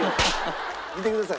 見てください。